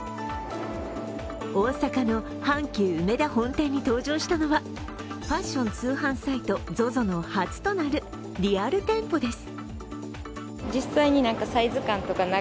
大阪の阪急梅田本店に登場したのはファッション通販サイト、ＺＯＺＯの初となるリアル店舗です。